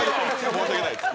申し訳ないです。